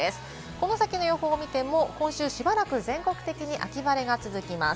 この先の予報を見ても、この先しばらく全国的に秋晴れが続きます。